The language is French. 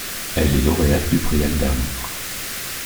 Elle est lauréate du prix Albert-Londres.